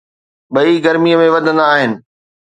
ٻئي گرمي ۾ وڌندا آهن